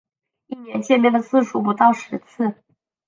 一年见面的次数不到十次